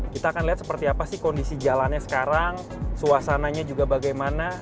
kita akan lihat seperti apa sih kondisi jalannya sekarang suasananya juga bagaimana